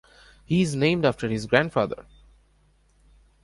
He is named after his grandfather.